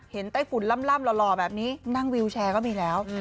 ไต้ฝุ่นล่ำหล่อแบบนี้นั่งวิวแชร์ก็มีแล้ว